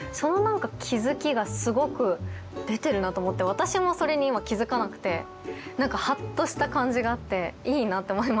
私もそれに今気づかなくて何かハッとした感じがあっていいなって思いました。